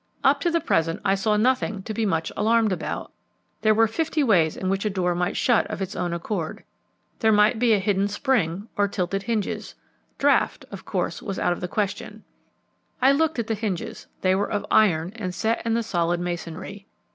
Up to the present I saw nothing to be much alarmed about. There were fifty ways in which a door might shut of its own accord. There might be a hidden spring or tilted hinges; draught, of course, was out of the question. I looked at the hinges, they were of iron and set in the solid masonry.